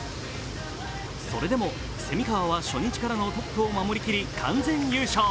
それでも蝉川は初日からのトップを守りきり完全優勝。